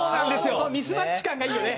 このミスマッチ感がいいよね。